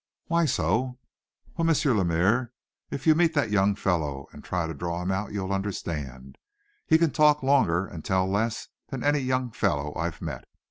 "Why so?" "Well, M. Lemaire, if you meet that young fellow, and try to draw him out, you'll understand. He can talk longer, and tell less, than any young fellow I've met.